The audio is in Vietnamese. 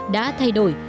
đã thay đổi